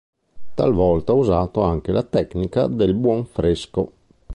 Talvolta ha usato anche la tecnica del "buon fresco".